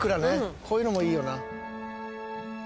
こういうのもいいよな。